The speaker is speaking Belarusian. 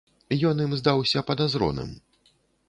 Ён ім здаўся падазроным.